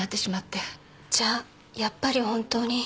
じゃあやっぱり本当に。